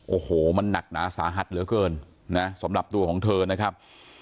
โอ้โหมันหนักหนาสาหัสเหลือเกินนะสำหรับตัวของเธอนะครับ